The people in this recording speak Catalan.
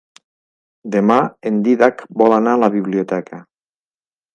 Demà en Dídac vol anar a la biblioteca.